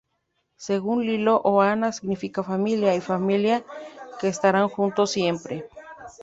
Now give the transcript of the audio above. Según Lilo, Ohana significa familia, y familia que estarán juntos siempre.